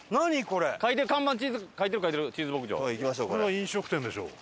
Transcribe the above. これは飲食店でしょう。